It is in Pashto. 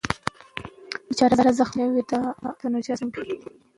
که سټیج وي نو لوبغاړی نه پټیږي.